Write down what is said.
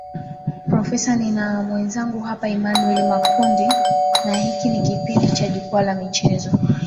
profesa nina mwenzangu hapa emanuel makundi na hiki ni kipindi cha jukwaa la michezo